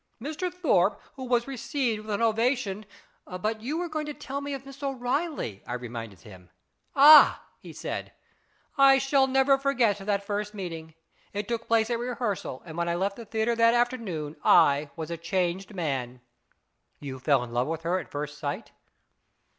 Mr. Thorpe, who was received with an ovation " But you were to tell me of Miss O'Reilly," I reminded him. " Ah," he said, " I shall never forget that first meeting. It took place at rehearsal, and when I left the theatre that afternoon I was a changed man." " You fell in love with her at first sight